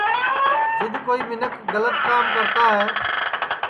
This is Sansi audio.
جِد کوئی مینکھ گلت کام کرتا ہے